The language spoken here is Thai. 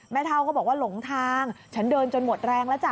เท่าก็บอกว่าหลงทางฉันเดินจนหมดแรงแล้วจ้